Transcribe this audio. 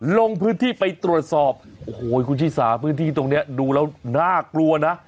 ลงพื้นที่ไปตรวจสอบโอ้โหคุณชิสาพื้นที่ตรงนี้ดูแล้วน่ากลัวนะ